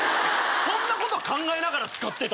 そんなこと考えながら使ってた？